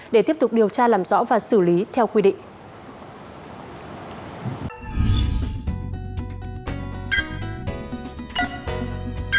để tiếp tục điều tra làm rõ và xử lý theo quy định